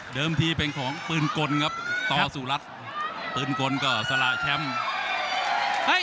เเติมที่เป็นของปืนกลตสุรัติปืนกลก็สลาใจแชมป์